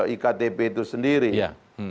iktp itu sendiri ya